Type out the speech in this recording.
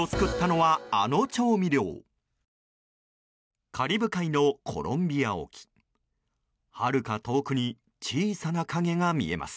はるか遠くに小さな影が見えます。